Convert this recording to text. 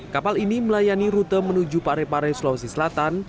kapal ini melayani rute menuju pare pare sulawesi selatan